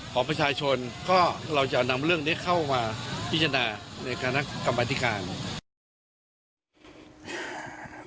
ของประชาชนก็เราจะนำเรื่องนี้เข้ามาพิจารณาในคณะกรรมธิการ